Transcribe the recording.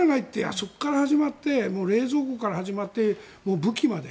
そこから始まって冷蔵庫から始まって武器まで。